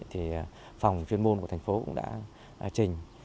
thì phòng chuyên môn của thành phố cũng đã trình